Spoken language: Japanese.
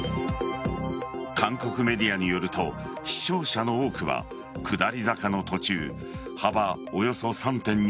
韓国メディアによると死傷者の多くは下り坂の途中幅およそ３．２ｍ